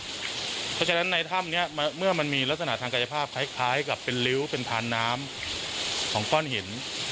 เพราะฉะนั้นในถ้ำนี้เมื่อมันมีลักษณะทางกายภาพคล้ายกับเป็นริ้วเป็นพานน้ำของก้อนหิน